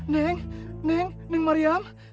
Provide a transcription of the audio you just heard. neng neng mariam